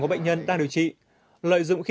của bệnh nhân đang điều trị lợi dụng khi